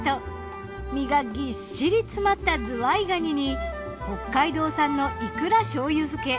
身がぎっしり詰まったズワイガニに北海道産のいくら醤油漬。